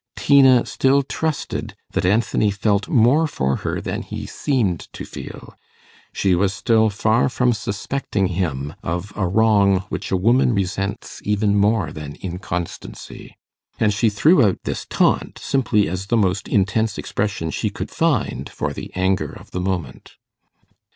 Tina still trusted that Anthony felt more for her than he seemed to feel; she was still far from suspecting him of a wrong which a woman resents even more than inconstancy. And she threw out this taunt simply as the most intense expression she could find for the anger of the moment.